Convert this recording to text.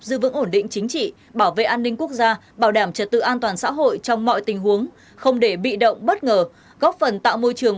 giữ vững ổn định chính trị bảo vệ an ninh quốc gia bảo đảm trật tự an toàn xã hội trong mọi tình huống không để bị động bất ngờ góp phần tạo môi trường